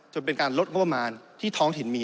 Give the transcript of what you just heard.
จนเป็นการลดงบประมาณที่ท้องถิ่นมี